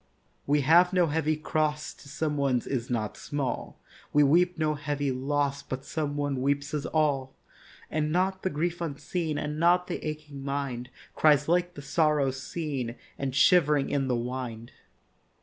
We have no heavy cross To some one's is not small; We weep no heavy loss But some one weeps his all; And not the grief unseen, And not the aching mind, Cries like the sorrow seen And shivering in the wind.